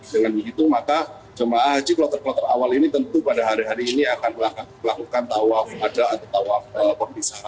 dengan begitu maka jemaah haji kloter kloter awal ini tentu pada hari hari ini akan melakukan tawaf ada atau tawaf perpisah